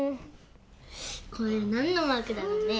これなんのマークだろうね？